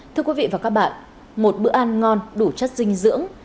thưa quý vị và các bạn một bữa ăn ngon đủ chất dinh dưỡng